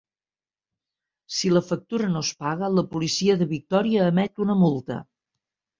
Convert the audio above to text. Si la factura no es paga, la policia de Victòria emet una multa.